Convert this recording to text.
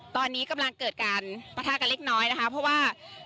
ตอนนี้กำลังเกิดการปะทะกันเล็กน้อยนะคะเพราะว่า